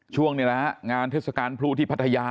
ช่วงงานเทศกาลพลูที่ภัทยา